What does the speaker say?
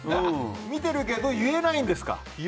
見てるけど言えないんですか。